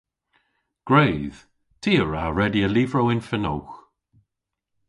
Gwredh! Ty a wra redya lyvrow yn fenowgh.